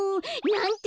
なんて